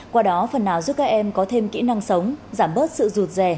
qua đó phần nào giúp các em có thêm kỹ năng sống giảm bớt sự rụt rè